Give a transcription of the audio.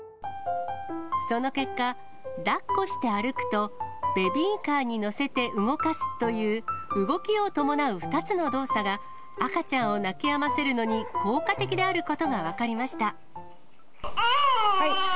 その結果、だっこして歩くと、ベビーカーに乗せて動かすという、動きを伴う２つの動作が、赤ちゃんを泣きやませるのに効果的であることが分かりました。